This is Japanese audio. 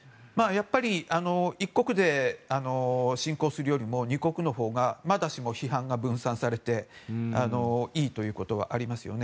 やっぱり一国で侵攻するよりも二国のほうがまだその批判が分散されていいということはあります。